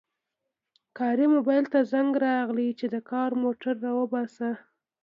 کاري موبایل ته زنګ راغی چې د کار موټر راوباسه